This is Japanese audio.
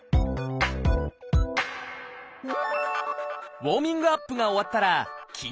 ウォーミングアップが終わったら筋トレです！